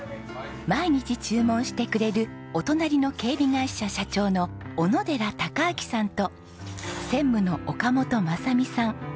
毎日注文してくれるお隣の警備会社社長の小野寺隆秋さんと専務の岡本正己さん。